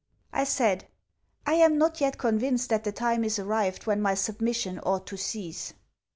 I said, 'I am not yet convinced that the time is arrived when my submission ought to cease.'